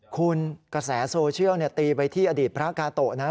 คุณกระแสโซเชียลตีไปที่อดีตพระกาโตะนะ